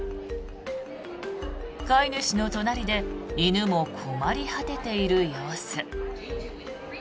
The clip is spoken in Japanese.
飼い主の隣で犬も困り果てている様子。